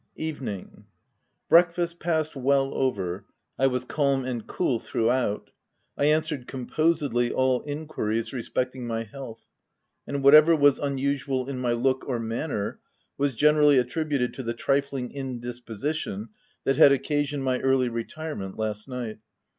Evening. Breakfast passed well over, I was calm and cool throughout. I answered com posedly all enquiries respecting my health ; and whatever was unusual in my look or man ner, was generally attributed to the trifling in disposition that had occasioned my early retire ment last night.